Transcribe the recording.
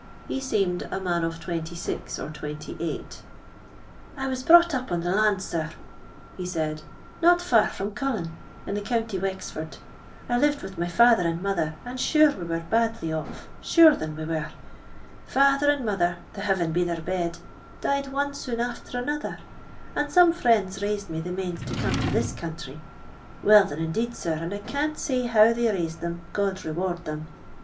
He seemed a man of 2G or 2S :—" I was brought up on the land, sir,' he said, " not far from Cullin, in the county Wexford. I lived with my lather and mother, and shure we were badly off. Shure, thin, we were. Father and mother— the Heavens be their bed — died one soon after another, and some friends raised me the manes to come to this country. Well, thin, indeed, sir, and I can't say how they raised them, God reward them.